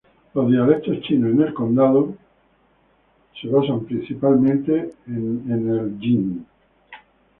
Los dialectos chinos en el condado de están principalmente en el idioma Jin.